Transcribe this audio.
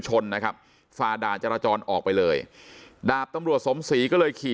ชนนะครับฝ่าด่านจราจรออกไปเลยดาบตำรวจสมศรีก็เลยขี่